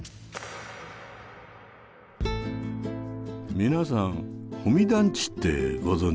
皆さん「保見団地」ってご存じですか？